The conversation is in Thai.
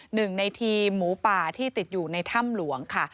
หนึ่งในทีมหมูป่าที่ติดอยู่ในถ้ำหลวงค่ะ